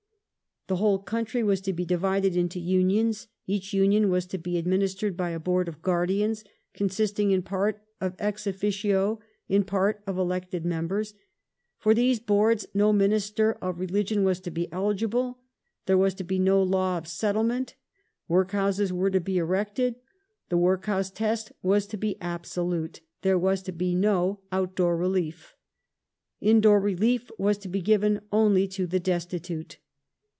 The whole country was to be divided into unions ; each union was to be ad ministered by a Board of Guardians, consisting in part of ex officio, in part of elected members ; for these boards no minister of religion was to be eligible ; there was to be no law of settlement ; work houses were to be erected ; the workhouse test was to be absolute ; there was to be no out door relief ; indoor relief was to be given only to the destitute.